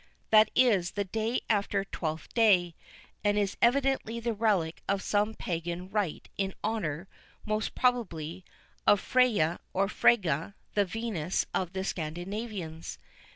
That is, the day after Twelfth Day, and is evidently the relic of some pagan rite in honour, most probably, of Freya or Frega, the Venus of the Scandinavians.